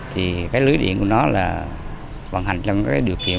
thì cái lưới điện của nó là vận hành trong các cái điều kiện